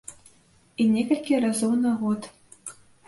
І некалькі разоў на год.